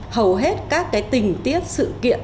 hầu hết các tình tiết sự kiện